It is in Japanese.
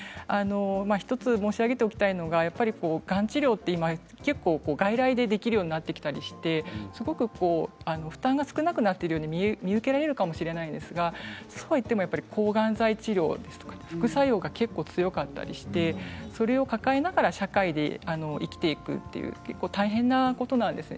１つ申し上げておきたいのはがん治療というのは結構、外来でできるようになってきたりして負担が少なくなっているように見受けられるかもしれませんがそうは言っても抗がん剤治療は副作用が強かったりしてそれを抱えながら社会で生きていくっていうのは大変なことなんです。